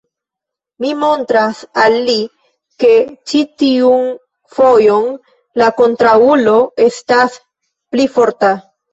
Mi montros al li, ke ĉi tiun fojon la kontraŭulo estas pli forta.